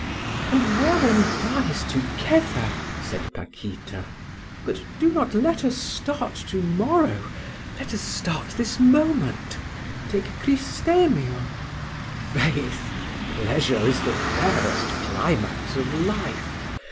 "And where one dies together!" said Paquita. "But do not let us start to morrow, let us start this moment... take Cristemio." "Faith! pleasure is the fairest climax of life.